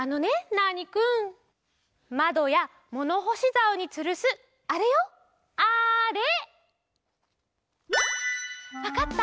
ナーニくんまどやものほしざおにつるすあれよあれ。わかった？